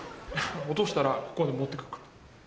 落としたらここまで戻ってくっから。